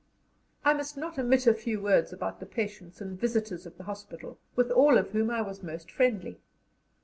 I must not omit a few words about the patients and visitors of the hospital, with all of whom I was most friendly.